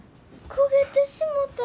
焦げてしもた。